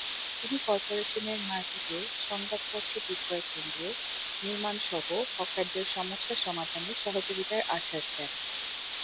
তিনি করপোরেশনের মার্কেটে সংবাদপত্র বিক্রয়কেন্দ্র নির্মাণসহ হকারদের সমস্যা সমাধানে সহযোগিতার আশ্বাস দেন।